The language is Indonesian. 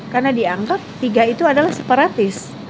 karena dianggap tiga itu adalah separatis